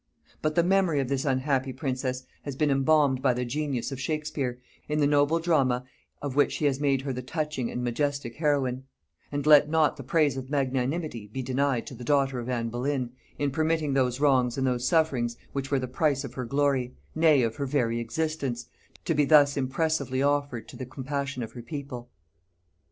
But the memory of this unhappy princess has been embalmed by the genius of Shakespeare, in the noble drama of which he has made her the touching and majestic heroine; and let not the praise of magnanimity be denied to the daughter of Anne Boleyn, in permitting those wrongs and those sufferings which were the price of her glory, nay of her very existence, to be thus impressively offered to the compassion of her people.